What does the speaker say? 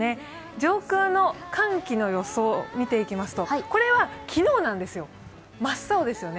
上空の寒気の予想を見ていきますと、これは昨日なんですよ真っ青ですよね。